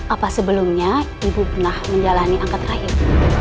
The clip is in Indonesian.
apa sebelumnya ibu pernah menjalani angkat akhir